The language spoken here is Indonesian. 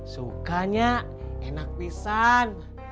sukanya enak pisan